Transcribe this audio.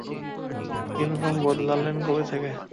Uniform বদলালেন কবে থেকে?